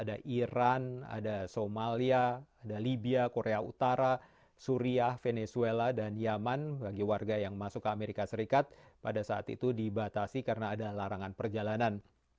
ada iran ada somalia ada libya korea utara suria venezuela dan yemen bagi warga yang masuk ke amerika serikat pada saat itu dibatasi karena ada larangan perjalanan